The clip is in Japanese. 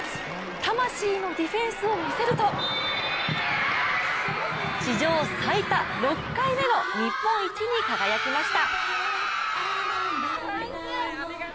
魂のディフェンスを見せると、史上最多、６回目の日本一に輝きました。